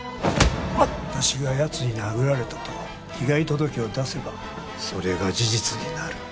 私が奴に殴られたと被害届を出せばそれが事実になる。